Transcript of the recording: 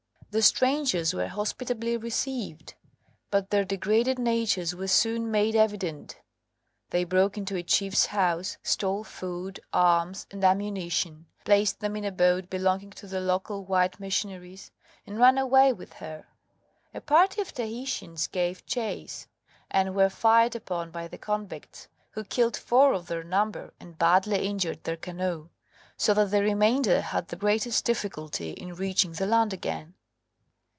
The strangers were hospitably received, but their degraded natures were soon made evident They broke into a chief's house, stole food, arms, and ammunition, placed them in a boat belonging to the local white missionaries, and ran away with her. A party of Tahitians gave chase, and were fired upon by the convicts, who killed four of their number and badly injured their canoe, so that the remainder had the greatest difficulty in reaching the land again.